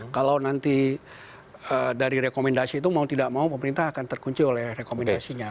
kalau nanti dari rekomendasi itu mau tidak mau pemerintah akan terkunci oleh rekomendasinya